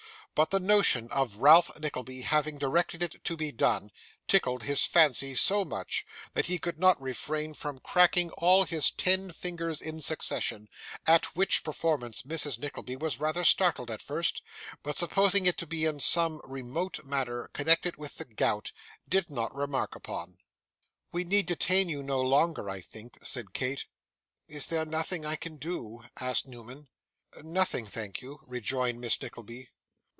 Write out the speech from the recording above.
But the notion of Ralph Nickleby having directed it to be done, tickled his fancy so much, that he could not refrain from cracking all his ten fingers in succession: at which performance Mrs. Nickleby was rather startled at first, but supposing it to be in some remote manner connected with the gout, did not remark upon. 'We need detain you no longer, I think,' said Kate. 'Is there nothing I can do?' asked Newman. 'Nothing, thank you,' rejoined Miss Nickleby.